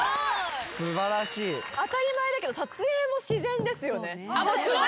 当たり前だけど撮影も自然ですよね。